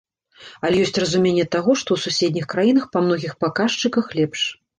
Але ёсць разуменне таго, што ў суседніх краінах па многіх паказчыках лепш.